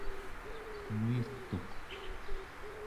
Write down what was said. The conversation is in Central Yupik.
muirtuq